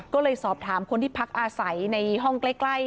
ก็เลยสอบถามคนที่พักอาศัยในห้องใกล้